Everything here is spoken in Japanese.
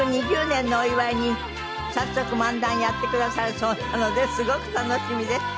２０年のお祝いに早速漫談やってくださるそうなのですごく楽しみです。